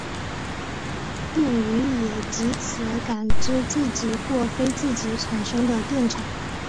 电鱼也藉此感知自己或非自己产生的电场。